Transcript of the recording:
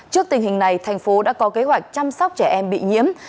trước tình hình này thành phố đã có kế hoạch chăm sóc trẻ em bị nhiễm